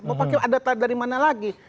mau pakai data dari mana lagi